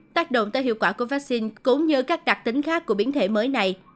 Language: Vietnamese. tác động tới hiệu quả của vaccine cũng như các đặc tính khác của biến thể mới này